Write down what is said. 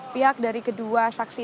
pihak dari kedua saksi